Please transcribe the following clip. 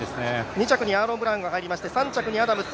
２着にアーロン・ブラウンが入りまして、３着にアダムス。